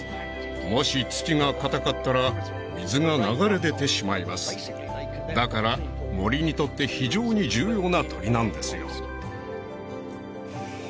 もし土がかたかったら水が流れ出てしまいますだから森にとって非常に重要な鳥なんですよ